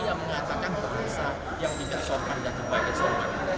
ia mengatakan perasa yang tidak sorban dan tidak baiknya sorban